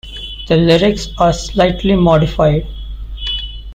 The lyrics are slightly modified.